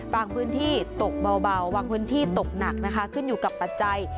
พื้นที่ตกเบาบางพื้นที่ตกหนักนะคะขึ้นอยู่กับปัจจัย